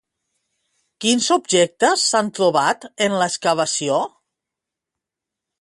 Quins objectes s'han trobat en l'excavació?